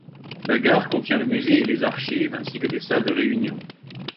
La gare contient le musée et les archives, ainsi que des salles de réunion.